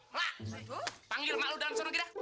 mak panggil mak udang suruh kita